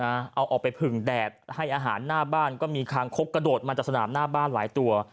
เอาออกไปผึ่งแดดให้อาหารหน้าบ้านก็มีคางคกกระโดดมาจากสนามหน้าบ้านหลายตัว